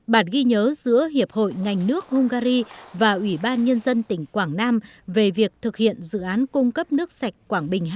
bản ghi nhớ giữa hiệp hội ngành nước hungary và ủy ban nhân dân tỉnh quảng nam về việc thực hiện dự án cung cấp nước sạch quảng bình hai